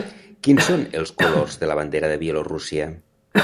Quins són els colors de la bandera de Bielorússia?